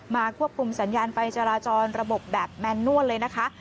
ควบคุมสัญญาณไฟจราจรระบบแบบแมนนวลเลยนะคะ